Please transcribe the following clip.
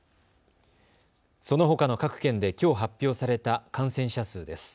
そのほかの各県できょう発表された感染者数です。